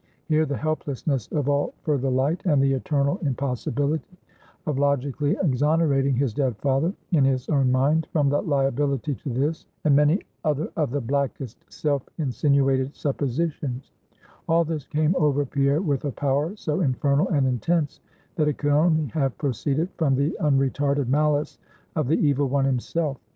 Here the helplessness of all further light, and the eternal impossibility of logically exonerating his dead father, in his own mind, from the liability to this, and many other of the blackest self insinuated suppositions; all this came over Pierre with a power so infernal and intense, that it could only have proceeded from the unretarded malice of the Evil One himself.